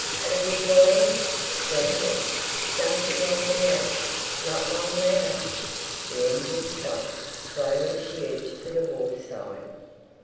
"Had a good voyage?" "Splendid!" "Shan't be long now!" "Not long now." The engines stopped. Slowly she edged to the wharf side.